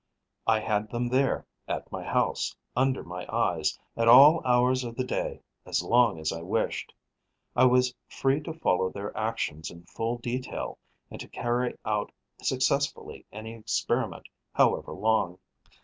I had them there, at my house, under my eyes, at all hours of the day, as long as I wished. I was free to follow their actions in full detail and to carry out successfully any experiment, however long.